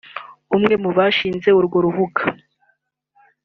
umwe mu bashinze urwo rubuga